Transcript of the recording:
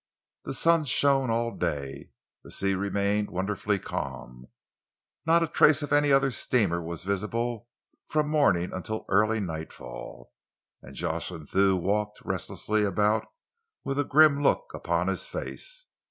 The sun shone all day, the sea remained wonderfully calm. Not a trace of any other steamer was visible from morning until early nightfall, and Jocelyn Thew walked restlessly about with a grim look upon his face.